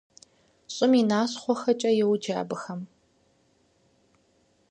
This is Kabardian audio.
«ЩӀым и нащхъуэхэкӀэ» йоджэ абыхэм.